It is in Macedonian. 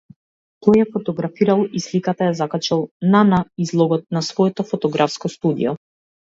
Тој ја фотографирал, и сликата ја закачил на на излогот на своето фотографско студио.